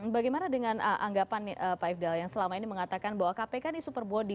bagaimana dengan anggapan pak ifdal yang selama ini mengatakan bahwa kpk ini super body